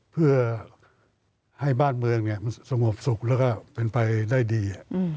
เพื่อให้บ้านเมืองมันสงบสุขแล้วก็เป็นไปได้ดี